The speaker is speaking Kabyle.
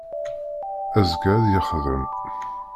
Azekka ad yexdem